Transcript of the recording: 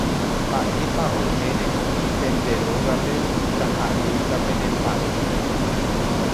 Mba'épa oiméne oĩ pende rógape ndaha'éiva penemba'e.